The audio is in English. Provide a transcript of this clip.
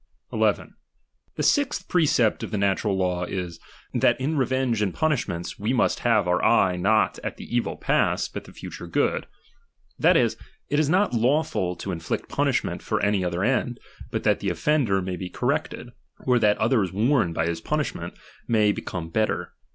1 1 . The sixth precept of the natural law is, that t^b «xth 1 ,.,, that pimis. m revenge ana punishments we must have our eye inentau;.ij not at the evil past, hut the future good : that ^' is, it is not lawfij to inflict punishment for any other end, but that the offender may be corrected, or that others warned by his punishment may be come better.